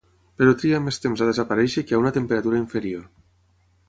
Però triga més temps a desaparèixer que a una temperatura inferior.